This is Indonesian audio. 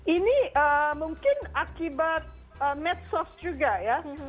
ini mungkin akibat medsos juga ya